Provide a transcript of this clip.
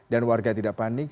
dan warga tidak panik